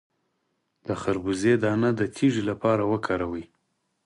د خربوزې دانه د تیږې لپاره وکاروئ